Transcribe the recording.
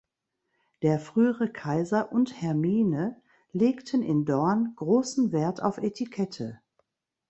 Der frühere Kaiser und Hermine legten in Doorn großen Wert auf Etikette.